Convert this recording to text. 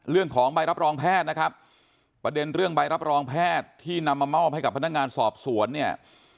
เรื่องของใบรับรองแพทย์นะครับประเด็นเรื่องใบรับรองแพทย์ที่นำมามอบให้กับพนักงานสอบสวนเนี่ย